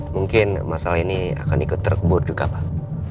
mungkin masalah ini akan ikut terkebur juga pak